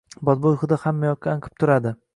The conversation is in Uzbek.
Badbo‘y hidi hammayoqda anqib turadi.